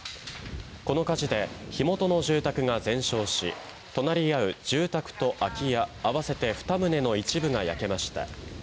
この火事で火元の住宅が全焼し、隣り合う住宅と空き家、あわせて２棟の一部が焼けました。